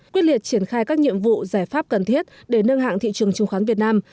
quyết liệt triển khai các nhiệm vụ giải pháp cần thiết để nâng hạng thị trường chứng khoán việt nam